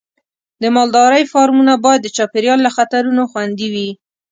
د مالدارۍ فارمونه باید د چاپېریال له خطرونو خوندي وي.